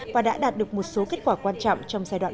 và đã đạt được một số kết quả quan trọng trong giai đoạn một